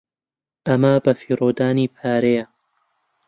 ئەمە بەفیڕۆدانی پارەیە.